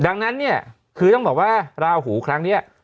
ดังนั้นเนี่ยคือต้องบอกว่าราหูครั้งนี้